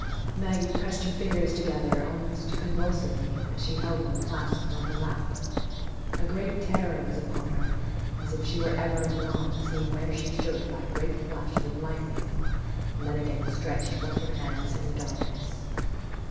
Maggie pressed her fingers together almost convulsively as she held them clasped on her lap. A great terror was upon her, as if she were ever and anon seeing where she stood by great flashes of lightning, and then again stretched forth her hands in the darkness.